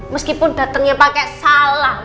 meskipun datengnya pake salam